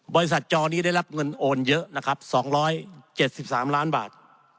บริษัทจอนี้ได้รับเงินโอนเยอะนะครับสองร้อยเจ็ดสิบสามล้านบาท